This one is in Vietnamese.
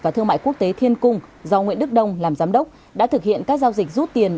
và thương mại quốc tế thiên cung do nguyễn đức đông làm giám đốc đã thực hiện các giao dịch rút tiền